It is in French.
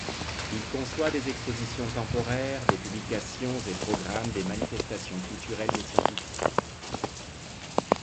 Il conçoit des expositions temporaires, des publications et programme des manifestations culturelles et scientifiques.